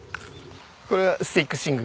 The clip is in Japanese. これはスティック春菊。